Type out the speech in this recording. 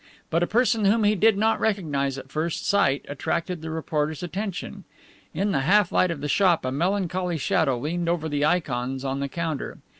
But a person whom he did not recognize at first sight attracted the reporter's attention. In the half light of the shop a melancholy shadow leaned over the ikons on the counter.